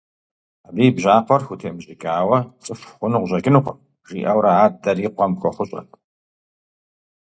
Абы и бжьакъуэр хутемыщӀыкӀауэ цӀыху хъуну къыщӀэкӀынукъым, – жиӀэурэ адэр и къуэм хуэхъущӀэрт.